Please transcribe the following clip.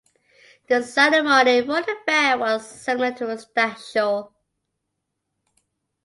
The ceremony for the Fair was similar to Stagshaw.